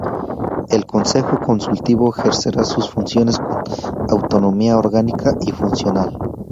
El Consejo Consultivo ejercerá sus funciones con autonomía orgánica y funcional.